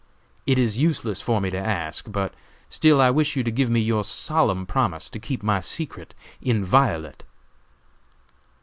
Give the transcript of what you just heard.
It is useless for me to ask, but still I wish you to give me your solemn promise to keep my secret inviolate."